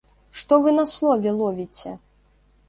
Што вы на слове ловіце?!